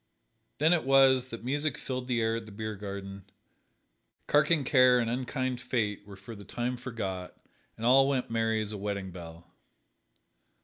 Then it was that music filled the air at the beer garden, carking care and unkind fate were for the time forgot, and all went merry as a wedding bell.